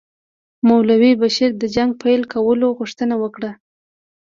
مولوي بشیر د جنګ پیل کولو غوښتنه وکړه.